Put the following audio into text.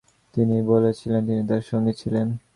তিনি বলেছিলেন, "তিনি তাঁর সঙ্গী ছিলেন"।